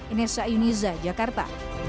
inesya yuniza jakarta